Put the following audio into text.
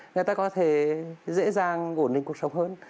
người ta có thể dễ dàng ổn định cuộc sống hơn